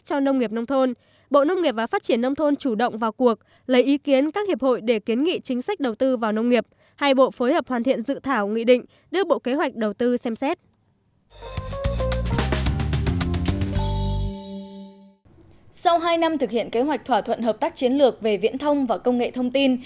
sau hai năm thực hiện kế hoạch thỏa thuận hợp tác chiến lược về viễn thông và công nghệ thông tin